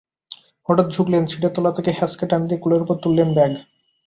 হঠাৎ ঝুঁকলেন, সিটের তলা থেকে হ্যাঁচকা টান দিয়ে কোলের ওপর তুললেন ব্যাগ।